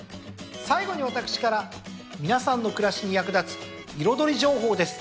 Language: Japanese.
最後に私から皆さんの暮らしに役立つ彩り情報です。